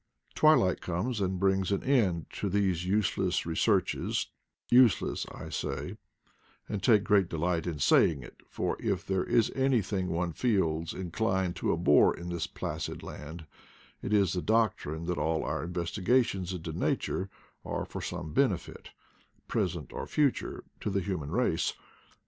Twilight comes and brings an end to these use less researches; useless, I say, and take great delight in saying it, for if there is anything one feels inclined to abhor in this placid land, it is the doctrine that all our investigations into nature are for some benefit, present or future, to the human race.